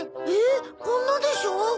えこんなでしょ？